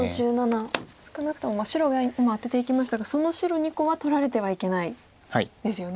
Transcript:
少なくとも白が今アテていきましたがその白２個は取られてはいけないですよね。